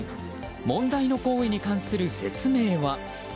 問題の行為に関する説明は。